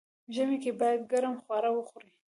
ژمی کی باید ګرم خواړه وخوري.